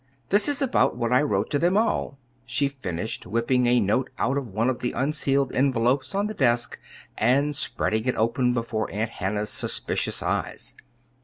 this is about what I wrote to them all," she finished, whipping a note out of one of the unsealed envelopes on the desk and spreading it open before Aunt Hannah's suspicious eyes.